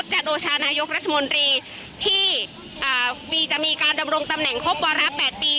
จโนชานายกรัฐมนตรีที่จะมีการดำรงตำแหน่งครบวาระ๘ปี